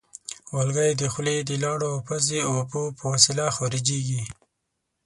والګی د خولې د لاړو او پزې اوبو په وسیله خارجېږي.